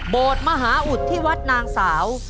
โบสถ์มหาอุทธิวัดนางสาว